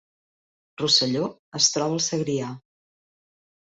Rosselló es troba al Segrià